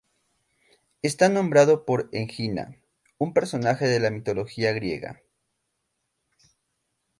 Está nombrado por Egina, un personaje de la mitología griega.